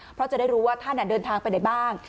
เพราะจะได้รู้ว่าท่านเดินทางไปไหนบ้าง